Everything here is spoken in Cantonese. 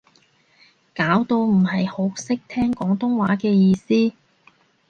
搞到唔係好識聽廣東話嘅意思